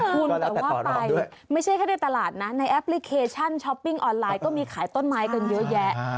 คุณแต่ว่าไปไม่ใช่แค่ในตลาดนะในแอปพลิเคชันช้อปปิ้งออนไลน์ก็มีขายต้นไม้กันเยอะแยะ